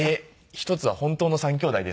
一つは本当の三兄弟ですか？